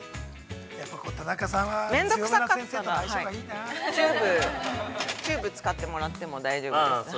◆面倒くさかったら、チューブを使ってもらっても大丈夫です。